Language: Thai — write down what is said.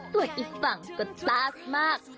ส่วนอีกฝั่งก็ซาสมาก